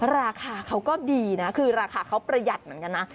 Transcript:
ราคาเขาก็ดีนะคือราคาเขาประหยัดเหมือนกันนะ